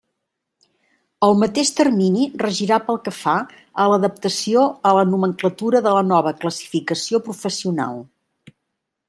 El mateix termini regirà pel que fa a l'adaptació a la nomenclatura de la nova classificació professional.